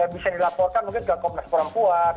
bisa dilaporkan mungkin ke komnas perempuan